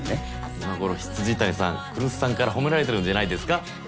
今頃未谷さん来栖さんから褒められてるんじゃないですか？